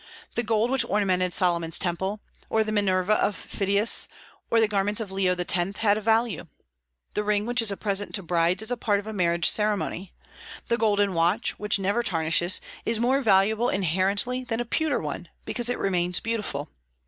The gold which ornamented Solomon's temple, or the Minerva of Phidias, or the garments of Leo X., had a value. The ring which is a present to brides is a part of a marriage ceremony. The golden watch, which never tarnishes, is more valuable inherently than a pewter one, because it remains beautiful.